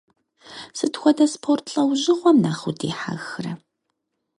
Сыт хуэдэ спорт лӏэужьыгъуэм нэхъ удихьэхрэ?